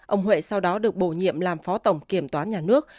ông huệ sau đó được bổ nhiệm làm phó tổng kiểm toán nhà nước